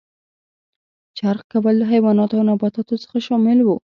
چرخ کول له حیواناتو او نباتاتو څخه شامل و.